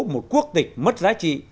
một quốc tịch mất giá trị